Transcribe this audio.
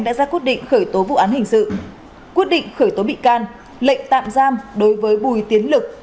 đã ra quyết định khởi tố vụ án hình sự quyết định khởi tố bị can lệnh tạm giam đối với bùi tiến lực